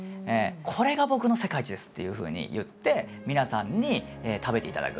「これが僕の世界一です」っていうふうに言って皆さんに食べていただく。